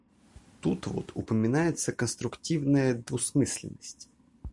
Тут вот упоминается конструктивная двусмысленность.